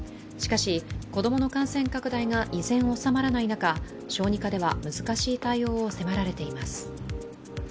しかし、子供の感染拡大が依然収まらない中小児科では難しい対応を迫られています。